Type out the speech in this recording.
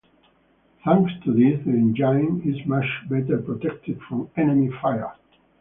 Thanks to this, the engine is much better protected from enemy fire.